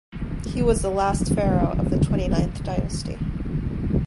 He was the last pharaoh of the twenty-ninth dynasty.